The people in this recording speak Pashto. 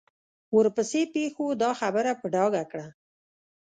ورپسې پېښو دا خبره په ډاګه کړه.